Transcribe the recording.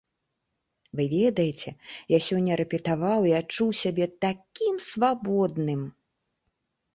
Вы ведаеце, я сёння рэпетаваў і адчуў сябе такім свабодным!